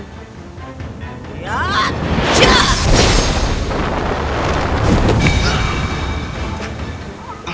siapa yang melakukan ini semua